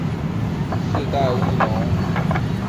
世代务农。